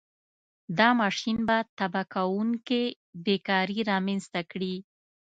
دا ماشین به تباه کوونکې بېکاري رامنځته کړي.